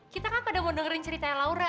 kita kan pada mau dengerin ceritanya laura